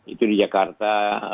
itu di jakarta